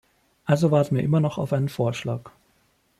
Also warten wir immer noch auf einen Vorschlag.